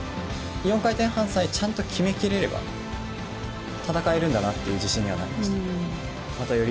４回転半さえちゃんと決めきれれば、戦えるんだなっていう自信にはなりました。